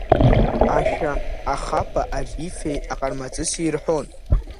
Ашәа ахапа Арифеи Аҟармаҵыси ирҳәон…